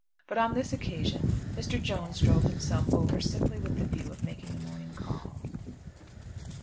But on this occasion Mr. Jones drove himself over simply with the view of making a morning call.